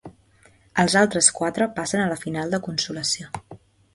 Els altres quatre passen a la final de consolació.